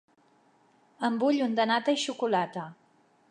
En vull un de nata i xocolata.